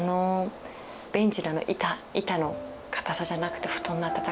ベンチのあの板板の堅さじゃなくて布団の暖かさ。